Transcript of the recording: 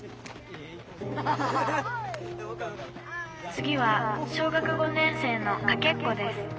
「次は小学５年生のかけっこです。